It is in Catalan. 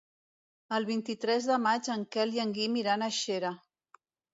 El vint-i-tres de maig en Quel i en Guim iran a Xera.